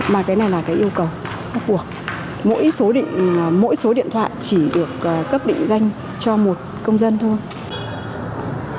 mà cái này là yêu cầu mỗi số điện thoại chỉ được cấp định danh cho một công dân thôi